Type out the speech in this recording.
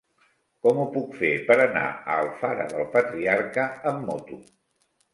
Com ho puc fer per anar a Alfara del Patriarca amb moto?